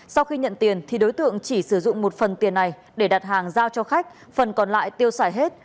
sau khi nhận tiền thì đối tượng chỉ sử dụng một phần tiền này để đặt hàng giao cho khách phần còn lại tiêu xài hết